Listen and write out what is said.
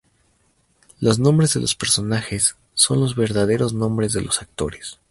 Los nombres de los personajes son los verdaderos nombres de los actores.